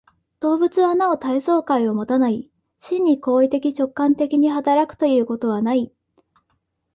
動物はなお対象界をもたない、真に行為的直観的に働くということはない。